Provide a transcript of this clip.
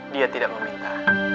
dia tidak meminta